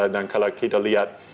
dan kalau kita lihat